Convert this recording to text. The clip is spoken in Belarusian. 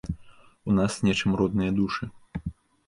У нас нечым родныя душы.